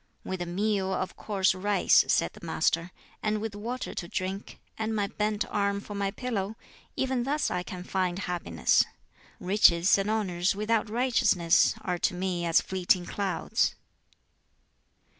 "With a meal of coarse rice," said the Master, "and with water to drink, and my bent arm for my pillow even thus I can find happiness. Riches and honors without righteousness are to me as fleeting clouds."